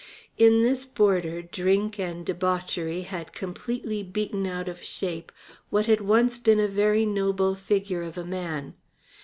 In this boarder drink and debauchery had completely beaten out of shape what had once been a very noble figure of a man.